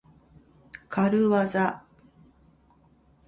かるわざ。